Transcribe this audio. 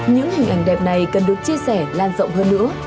những hình ảnh đẹp này cần được chia sẻ lan rộng hơn nữa